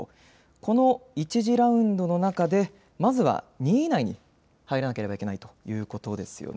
この１次ラウンドの中で、まずは２位以内に入らなければいけないということですよね。